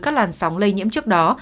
các làn sóng lây nhiễm trước đó